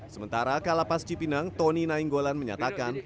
sementara kalapas cipinang tony nainggolan menyatakan